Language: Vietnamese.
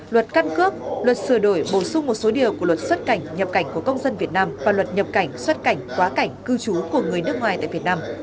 luật căn cước luật sửa đổi bổ sung một số điều của luật xuất cảnh nhập cảnh của công dân việt nam và luật nhập cảnh xuất cảnh quá cảnh cư trú của người nước ngoài tại việt nam